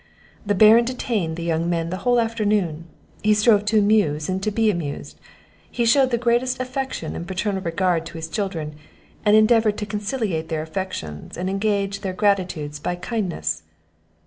The Baron detained the young men the whole afternoon; he strove to amuse and to be amused; he shewed the greatest affection and parental regard to his children, and endeavoured to conciliate their affections, and engage their gratitude by kindness.